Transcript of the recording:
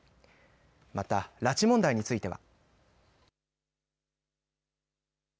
また拉致問題については。